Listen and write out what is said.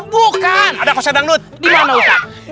bukan ada koset dangdut dimana ustad